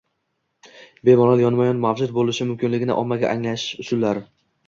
bemalol yonma-yon mavjud bo‘lishi mumkinligini ommaga anglatish usullari